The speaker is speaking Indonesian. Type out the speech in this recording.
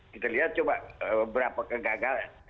kita lihat coba berapa kegagalan